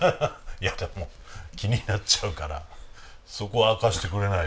いやでも気になっちゃうからそこは明かしてくれないと。